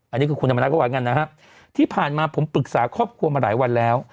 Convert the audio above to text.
อันนี้คือคุณธรรมนัฐก็ว่างั้นนะฮะที่ผ่านมาผมปรึกษาครอบครัวมาหลายวันแล้ว